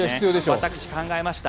私、考えました。